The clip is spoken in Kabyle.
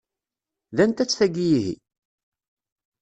D anta-tt tagi ihi?